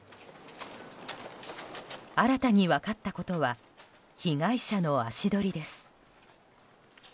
新たに分かったことは被害者の足取りです。